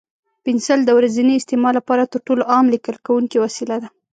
پنسل د ورځني استعمال لپاره تر ټولو عام لیکل کوونکی وسیله ده.